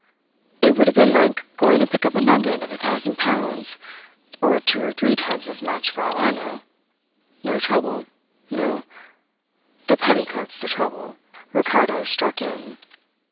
"It would have been like going to pick up a nugget of a thousand pounds, or two or three times as much, for all I know. No trouble, no " "The petticoat's the trouble," Ricardo struck in.